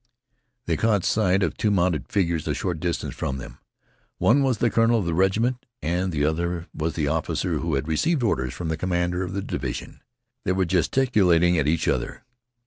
They caught sight of two mounted figures a short distance from them. One was the colonel of the regiment and the other was the officer who had received orders from the commander of the division. They were gesticulating at each other.